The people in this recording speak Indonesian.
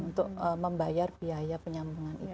untuk membayar biaya penyambungan